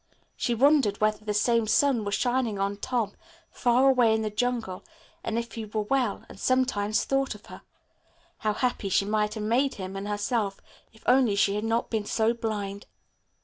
She wondered whether the same sun were shining on Tom, far away in the jungle, and if he were well, and sometimes thought of her. How happy she might have made him and herself if only she had not been so blind.